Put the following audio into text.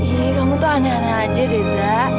ini kamu tuh aneh aneh aja deza